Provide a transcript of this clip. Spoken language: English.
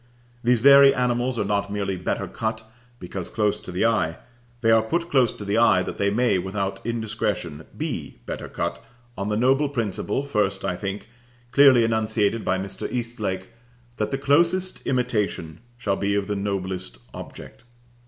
These very animals are not merely better cut because close to the eye; they are put close to the eye that they may, without indiscretion, be better cut, on the noble principle, first I think, clearly enunciated by Mr. Eastlake, that the closest imitation shall be of the noblest object.